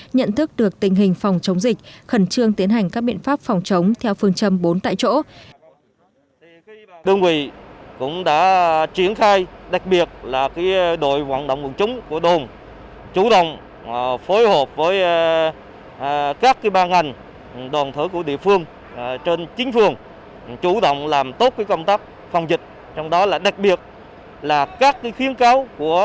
nhận thức được tình hình phòng chống dịch khẩn trương tiến hành các biện pháp phòng chống theo phương châm bốn tại chỗ